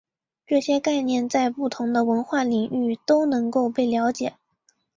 这些概念在不同的文化领域都能够被了解。